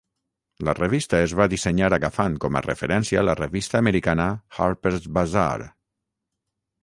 La revista es va dissenyar agafant com a referència la revista americana "Harper's Bazaar".